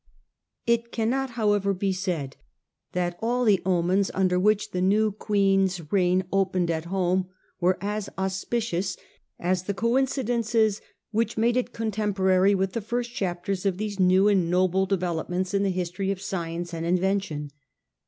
It cannot, however, be said that all the omens raider which the new Queen's reign opened at home were as auspicious as the coincidences which . made it con temporary with the first chapters of these new and noble developments in the history of science and in vention.